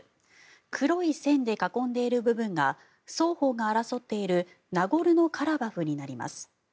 黒い線で囲んでいる部分が双方が争っているナゴルノカラバフになります。